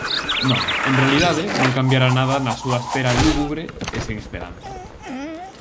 Non, en realidade, non cambiara nada na súa espera lúgubre e sen esperanza.